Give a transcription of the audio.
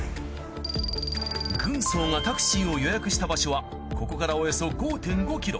軍曹がタクシーを予約した場所はここからおよそ５．５ｋｍ。